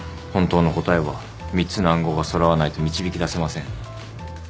本当の答えは３つの暗号が揃わないと導き出せません。